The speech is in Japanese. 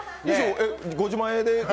ご自前で？